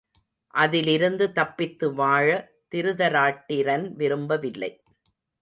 அதிலிருந்து தப்பித்து வாழ திருதராட்டிரன் விரும்பவில்லை.